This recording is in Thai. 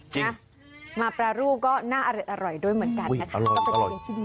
จริงนะมาปลารูก็น่าอร่อยด้วยเหมือนกันนะครับเป็นอะไรที่ดีมากเลย